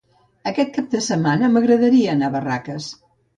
Aquest cap de setmana m'agradaria anar a Barraques.